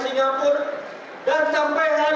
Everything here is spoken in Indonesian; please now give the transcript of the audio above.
selamat pagi semua